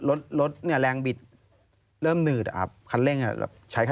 รถรถเนี่ยแรงบิดเริ่มหนืดอ่ะครับคันเร่งอ่ะแบบใช้คัน